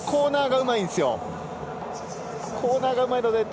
コーナーがうまいんですよ。